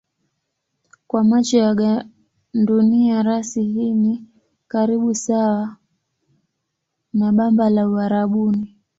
Kwa macho ya gandunia rasi hii ni karibu sawa na bamba la Uarabuni.